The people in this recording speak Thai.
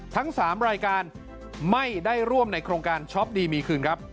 ทั้ง๓รายการไม่ได้ร่วมในโครงการช็อปดีมีคืนครับ